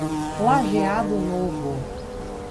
Lajeado Novo